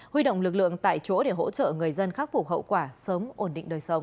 huy động lực lượng tại chỗ để hỗ trợ người dân khắc phục hậu quả sớm ổn định đời sống